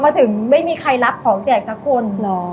พอมาถึงไม่มีใครรับของแจกสักคน